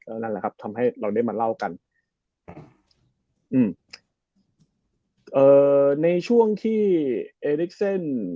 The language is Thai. นั่นแหละครับทำให้เราได้มาเล่ากันอืมเอ่อในช่วงที่เอลิกเซน